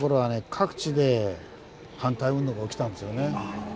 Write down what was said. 各地で反対運動が起きたんですよね。